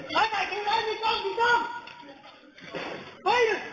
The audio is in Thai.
ลองเหล้วลองเหล้ว